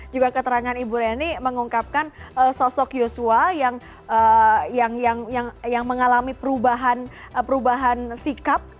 juga keterangan ibu reni mengungkapkan sosok yosua yang mengalami perubahan sikap